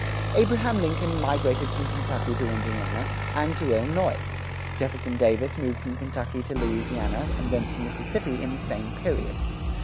Abraham Lincoln migrated from Kentucky to Indiana and to Illinois. Jefferson Davis moved from Kentucky to Louisiana, and thence to Mississippi, in the same period.